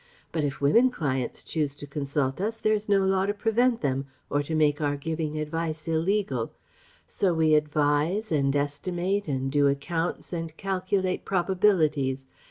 But if women clients choose to consult us there is no law to prevent them, or to make our giving advice illegal. So we advise and estimate and do accounts and calculate probabilities.